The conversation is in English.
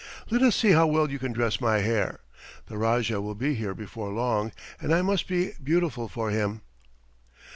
"Let us see how well you can dress my hair. The Rajah will be here before long, and I must be beautiful for him."